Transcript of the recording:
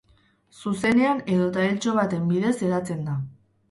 Zuzenean edota eltxo baten bidez hedatzen da.